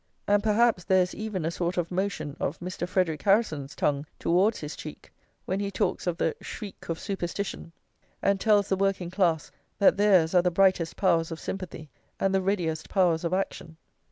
And perhaps there is even a sort of motion of Mr. Frederic Harrison's tongue towards his cheek when he talks of the "shriek of superstition," and tells the working class that theirs are the brightest powers of sympathy and the readiest powers of action.